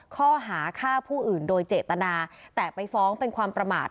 ข้อหาฆ่าผู้อื่นโดยเจตนาแต่ไปฟ้องเป็นความประมาท